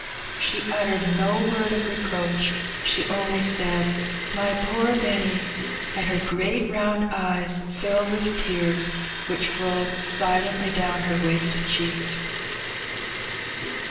She uttered no word of reproach, she only said, *'My poor Benny!" and her great round eyes filled with tears, which rolled silently down her wasted cheeks.